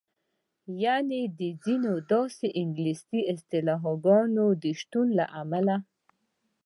یعنې د ځینو داسې انګلیسي اصطلاحګانو د شتون له امله.